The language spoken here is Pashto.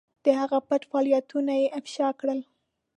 د هغه پټ فعالیتونه یې افشا کړل.